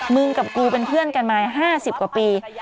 มึงกับกูเป็นเพื่อนกันมา๕๐กว่าปี